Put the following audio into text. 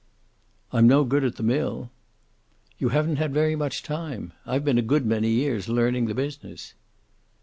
"I'm no good at the mill." "You haven't had very much time. I've been a good many years learning the business."'